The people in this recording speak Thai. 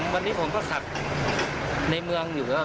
วันนี้ผมก็ขัดในเมืองอยู่